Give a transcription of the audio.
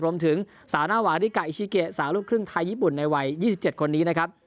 รวมถึงสาวหน้าหวาริกาอิชิเกสาวลูกครึ่งไทยญี่ปุ่นในวัย๒๗คนนี้นะครับ